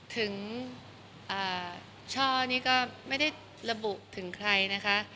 ช่อนี่ก็ไม่ได้ระบุถึงใครนะคะ